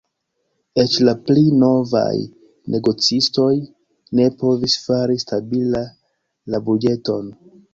Eĉ la pli novaj negocistoj ne povis fari stabila la buĝeton.